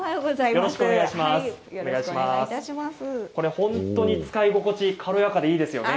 本当に使い心地が軽やかでいいですね。